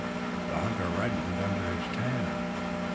The hunter reddened under his tan.